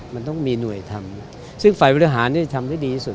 มันต้องมีหน่วยทำซึ่งฝ่ายบริหารทำได้ดีที่สุด